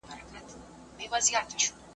ايا علم يوازې ټولنيزه پوهه او خبرتيا ده؟